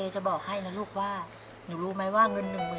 ว้าวว้าวว้าว